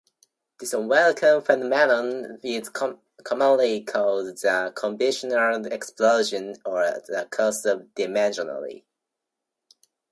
This unwelcome phenomenon is commonly called the combinatorial explosion, or the curse of dimensionality.